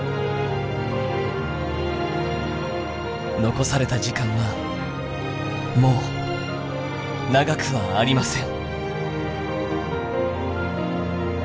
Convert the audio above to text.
残された時間はもう長くはありません。